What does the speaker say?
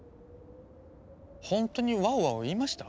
ほんとに「ワオワオ」言いました？